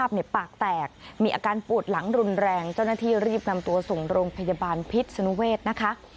เป็นพิศนเวศนะคะ